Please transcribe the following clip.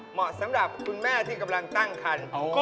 เหมาะสำหรับคุณแม่ที่กำลังตั้งคัน